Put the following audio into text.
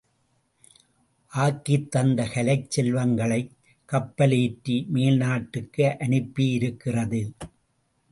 ஆக்கித் தந்த கலைச் செல்வங்களைக் கப்பலேற்றி மேல் நாட்டுக்கு அனுப்பியிருக்கிறது.